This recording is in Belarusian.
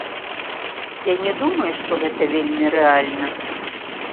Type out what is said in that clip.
Я не думаю, што гэта вельмі рэальна.